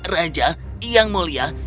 raja yang mulia